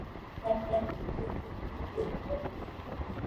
তার খালাতো বোন শহীদ বুদ্ধিজীবী কলেজে পড়ে।